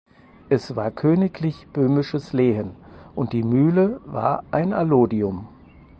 Es war königlich böhmisches Lehen und die Mühle war ein Allodium.